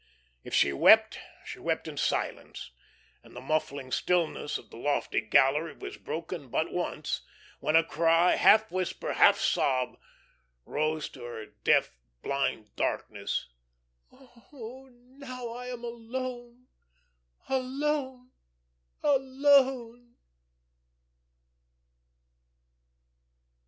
If she wept, she wept in silence, and the muffling stillness of the lofty gallery was broken but once, when a cry, half whisper, half sob, rose to the deaf, blind darkness: "Oh, now I am alone, alone, alone!"